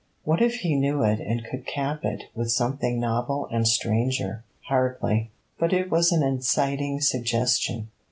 What if he knew it and could cap it with something novel and stranger? Hardly. But it was an inciting suggestion.